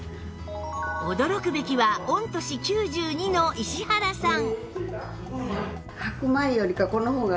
驚くべきは御年９２の石原さん